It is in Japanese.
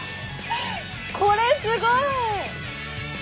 これすごい！